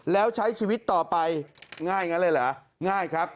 แล้วใช้ชีวิตต่อไปง่ายอย่างนั้นเลยเหรอง่ายครับ